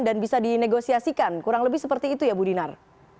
dan bisa dinegosiasikan kurang lebih seperti itu ya bu dinar